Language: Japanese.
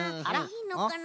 いいのかな？